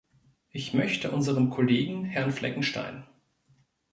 Ich möchte unserem Kollegen, Herrn Fleckenstein.